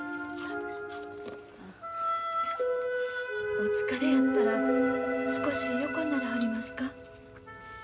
お疲れやったら少し横にならはりますか？